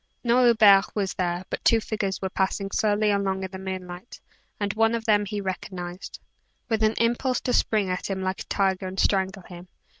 No Hubert was there, but two figures were passing slowly along in the moonlight, and one of them he recognized, with an impulse to spring at him like a tiger and strangle him.